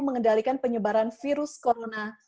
mengendalikan penyebaran virus corona